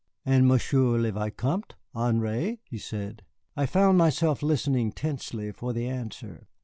"And Monsieur le Vicomte Henri?" he said. I found myself listening tensely for the answer.